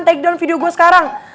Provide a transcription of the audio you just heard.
takedown video gue sekarang